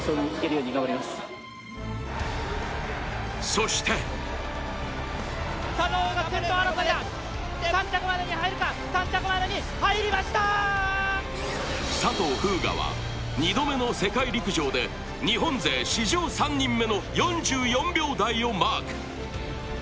そして佐藤風雅は２度目の世界陸上で日本勢史上３人目の４４秒台をマーク。